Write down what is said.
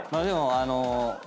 でもあの。